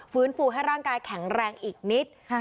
ฟื้นฟูให้ร่างกายแข็งแรงอีกนิด